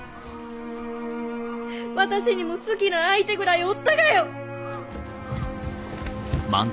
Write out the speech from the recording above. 私にも好きな相手ぐらいおったがよ！